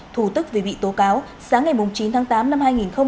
thủ tức vì bị tố cáo sáng ngày chín tháng tám năm hai nghìn hai mươi